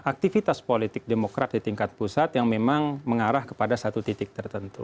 aktivitas politik demokrat di tingkat pusat yang memang mengarah kepada satu titik tertentu